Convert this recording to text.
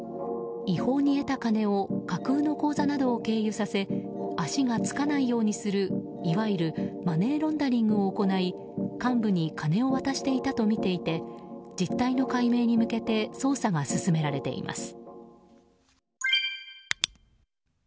違法に得た金を架空の口座などを経由させ足がつかないようにするいわゆるマネーロンダリングを行い幹部に金を渡していたとみていて実態の解明に向けて捜査が進められています。